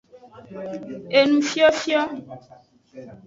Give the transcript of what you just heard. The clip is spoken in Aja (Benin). Enufiofio.